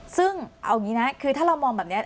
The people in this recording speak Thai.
ซึ่งเอางี้นะคือถ้าเรามองแบบเนี้ย